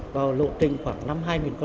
vào lộ trình khoảng năm hai nghìn một mươi chín